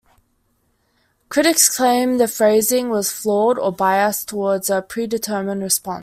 Critics claimed the phrasing was flawed or biased toward a predetermined response.